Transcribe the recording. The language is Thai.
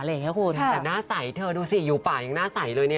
แต่หน้าใสเธอดูสิอยู่ป่ายังหน้าใสเลย